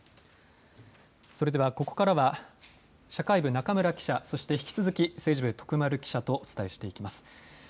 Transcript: ここからは社会部の中村記者、そして引き続き政治部徳丸記者とお伝えしていきます。